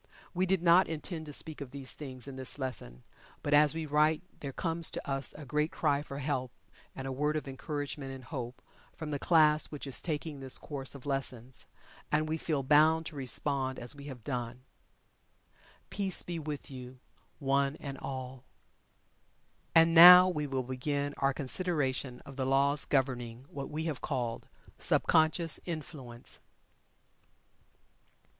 We did not intend to speak of these things in this lesson, but as we write there comes to us a great cry for help and a word of encouragement and hope, from the Class which is taking this course of lessons, and we feel bound to respond as we have done. Peace be with you one and all. And, now we will begin our consideration of the laws governing what we have called "Sub conscious Influence."